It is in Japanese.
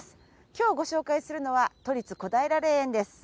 今日ご紹介するのは都立小平霊園です。